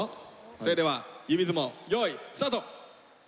それでは指相撲用意スタート！